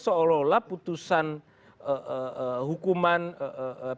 seolah olah putusan hukuman pidana percobaan itu